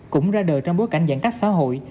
cũng ra đời trong bối cảnh giãn cách xã hội